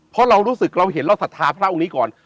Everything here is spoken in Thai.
เพราะเรารู้สึกเราเห็นเราศรัทธาพระองค์นี้ก่อน